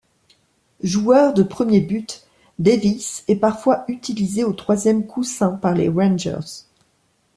Joueur de premier but, Davis est parfois utilisé au troisième coussin par les Rangers.